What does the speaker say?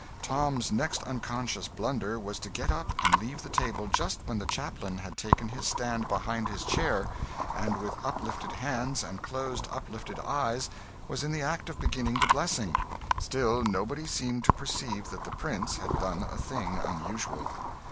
Tom's next unconscious blunder was to get up and leave the table just when the chaplain had taken his stand behind his chair, and with uplifted hands, and closed, uplifted eyes, was in the act of beginning the blessing. Still nobody seemed to perceive that the prince had done a thing unusual.